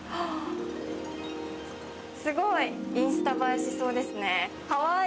すごい、インスタ映えしそうですね。